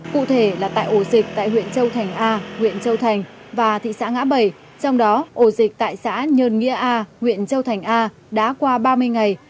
cụ thể là tại ổ dịch tại huyện châu thành a huyện châu thành và thị xã ngã bảy trong đó ổ dịch tại xã nhơn nghĩa a huyện châu thành a đã qua ba mươi ngày